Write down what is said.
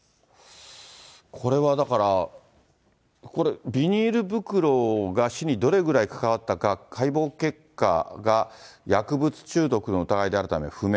これはだから、これ、ビニール袋が死にどれぐらい関わったか、解剖結果が薬物中毒の疑いであるため不明。